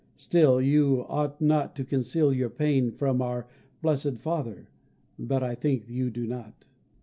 Still, you ought not to conceal your pain from our Blessed Father (but I think you do not).